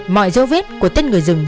mọi dấu vết của tên người dừng